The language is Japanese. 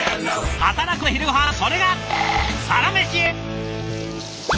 働くオトナの昼ごはんそれが「サラメシ」。